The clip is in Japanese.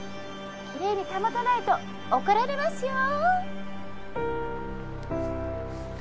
きれいに保たないと怒られますよ。